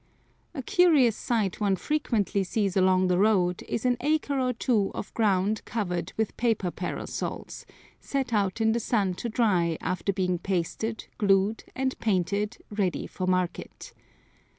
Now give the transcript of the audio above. A curious sight one frequently sees along the road is an acre or two of ground covered with paper parasols, set out in the sun to dry after being pasted, glued, and painted ready for market.